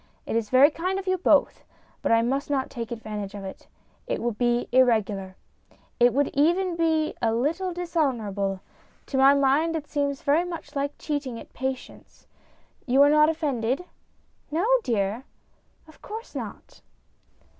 "It is very kind of you both, but I must not take advantage of it. It would be irregular. It would even be a little dis honourable. To my mind it seems very much like cheating at ' Patience.' You are not offended ?"" No, dear. Of course not."